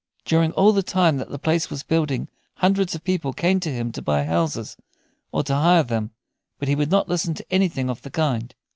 During all the time that the place was building hundreds of people came to him to buy houses, or to hire them, but he would not listen to anything of the kind.